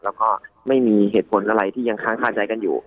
แล้วก็ไม่มีเหตุผลอะไรที่ยังค้างคาใจกันอยู่